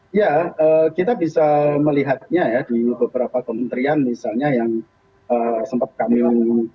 banyak anggara anggara lain yang kemudian apakah kita bisa pertanyakan betulkah kemudian ini memang realisasinya sesuai program